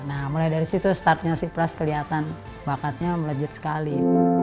nah mulai dari situ startnya si pras kelihatan bakatnya melejit sekali